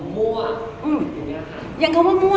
มันมีหลายคำคำว่าบุ๋มมั่ว